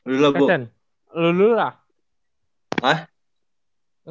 lu dulu lah bu